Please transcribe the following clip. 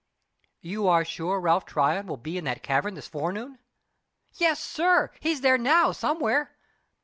"You are sure Ralph Tryon will be in that cavern this forenoon?" "Yes, sir. He's there, now, somewhere.